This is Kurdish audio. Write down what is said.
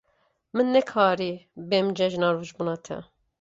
Min nekarî bêm cejna rojbûna te.